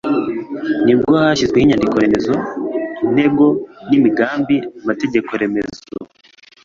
Ni bwo hashyizweho inyandiko-remezo, intego n'imigambi, amategeko-remezo,